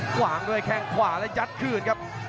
วางด้วยแข้งขวาและยัดคืนครับ